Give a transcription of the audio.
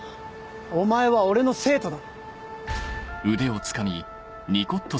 お前は俺の生徒だ。